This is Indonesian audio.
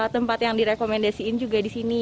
tempat yang direkomendasiin juga disini